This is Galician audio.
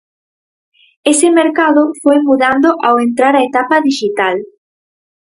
Ese mercado foi mudando ao entrar a etapa dixital.